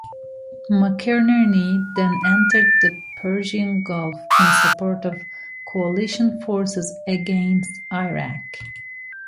"McInerney" then entered the Persian Gulf in support of coalition forces against Iraq.